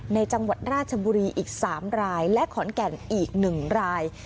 จังหวัดราชบุรีอีก๓รายและขอนแก่นอีก๑ราย